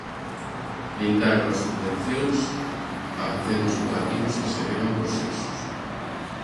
Blindaron as subvencións a centros educativos que segregan por sexos.